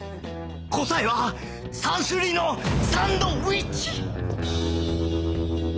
答えは３種類のサンドイッチ！